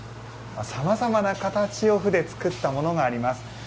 さまざまな形を麩で作ったものがあります。